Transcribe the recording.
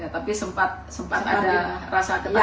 tapi sempat ada rasa ketat